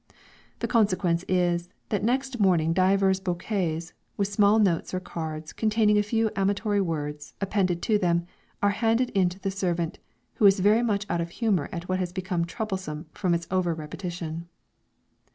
The consequence is, that next morning divers bouquets, with small notes or cards containing a few amatory words, appended to them, are handed in to the servant, who is very much out of humour at what has become troublesome from its over repetition.